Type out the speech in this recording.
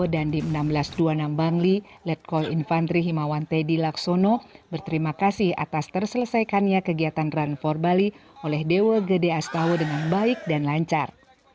dan di seribu enam ratus dua puluh enam bangli letkol infantri himawante di laksono berterima kasih atas terselesaikannya kegiatan run for bali oleh dewa gede astawa dengan baik dan lancar